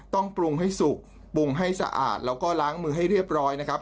ต้องปรุงให้สุกปรุงให้สะอาดแล้วก็ล้างมือให้เรียบร้อยนะครับ